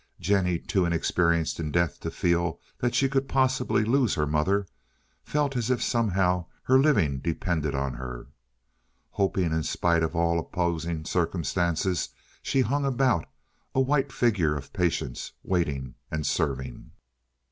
Jennie, too inexperienced in death to feel that she could possibly lose her mother, felt as if somehow her living depended on her. Hoping in spite of all opposing circumstances, she hung about, a white figure of patience, waiting and serving.